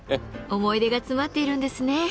思い出が詰まっているんですね。